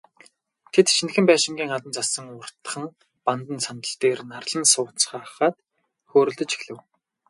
Тэд, шинэхэн байшингийн гадна зассан уртхан бандан сандал дээр нарлан сууцгаагаад хөөрөлдөж эхлэв.